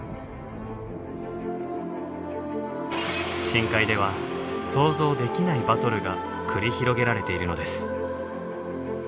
深海では想像できないバトルが繰り広げられているのです。